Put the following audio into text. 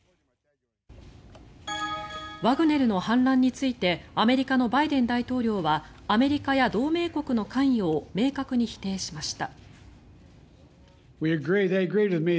ワグネルの反乱についてアメリカのバイデン大統領はアメリカや同盟国の関与を明確に否定しました。